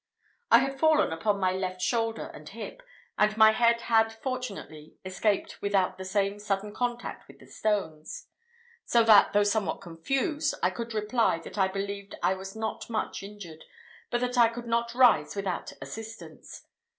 I had fallen upon my left shoulder and hip, and my head had fortunately escaped without the same sudden contact with the stones; so that, though somewhat confused, I could reply that I believed I was not much injured, but that I could not rise without assistance.